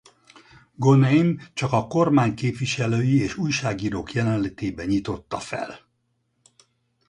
Goneim csak a kormány képviselői és újságírók jelenlétében nyitotta fel.